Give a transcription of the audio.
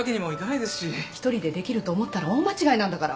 １人でできると思ったら大間違いなんだから。